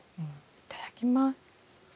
いただきます。